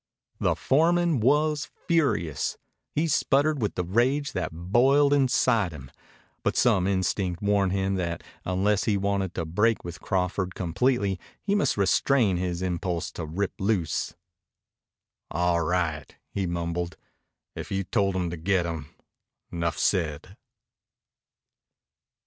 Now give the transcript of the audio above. The foreman was furious. He sputtered with the rage that boiled inside him. But some instinct warned him that unless he wanted to break with Crawford completely he must restrain his impulse to rip loose. "All right," he mumbled. "If you told him to get 'em, 'nough said."